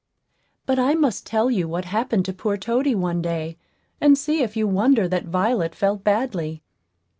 But I must tell you what happened to poor Toady one day, and see if you wonder that Violet felt badly.